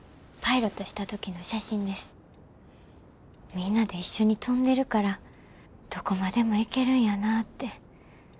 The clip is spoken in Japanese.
みんなで一緒に飛んでるからどこまでも行けるんやなって。